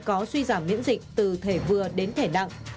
có suy giảm miễn dịch từ thể vừa đến thể nặng